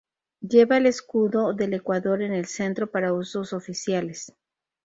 Lleva el escudo del Ecuador en el centro para usos oficiales.